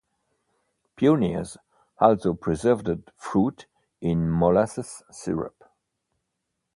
Pioneers also preserved fruit in molasses syrup.